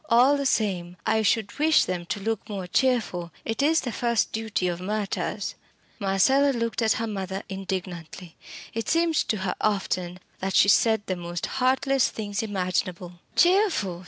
All the same, I should wish them to look more cheerful. It is the first duty of martyrs." Marcella looked at her mother indignantly. It seemed to her often that she said the most heartless things imaginable. "Cheerful!"